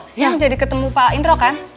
siang jadi ketemu pak indro kan